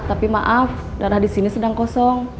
tapi maaf darah disini sedang kosong